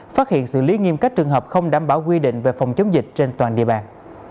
phát hiện xử lý nghiêm các trường hợp không đảm bảo quy định về phòng chống dịch trên toàn địa bàn